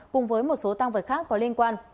cùng với một số tăng vật khác có liên quan